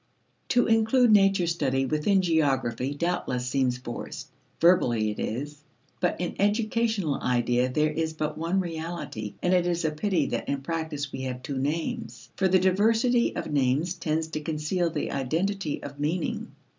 To include nature study within geography doubtless seems forced; verbally, it is. But in educational idea there is but one reality, and it is pity that in practice we have two names: for the diversity of names tends to conceal the identity of meaning.